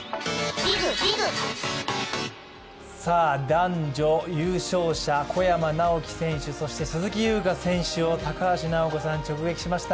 男女優勝者、小山直城選手そして鈴木優花選手を高橋尚子さんが直撃しました。